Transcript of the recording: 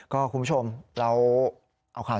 ก็คุณผู้ชมเรา